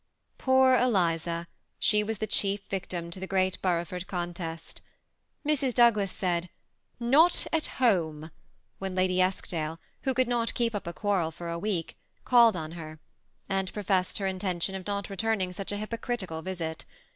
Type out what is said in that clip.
PoOB Eliza, she was the chief victim to the great Boroughford oontest Mrs. Douglas said ^^Not at home," when Lady Eskdale, who could, not keep up a quarrel for a week, called on her ; and professed her intention of not returning such a hypocritical visit.